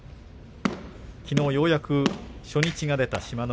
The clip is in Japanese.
きのう、ようやく初日が出た志摩ノ